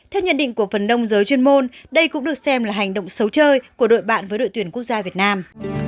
theo nhận định của phần đông giới chuyên môn đây cũng được xem là hành động xấu chơi của đội bạn với đội tuyển quốc gia việt nam